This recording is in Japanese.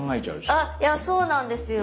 あいやそうなんですよ。